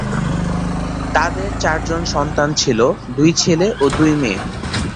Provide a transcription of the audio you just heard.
তাদের চারজন সন্তান ছিল, দুই ছেলে ও দুই মেয়ে।